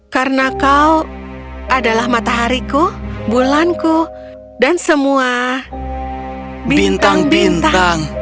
karena kau adalah matahariku bulanku dan semua bintang bintang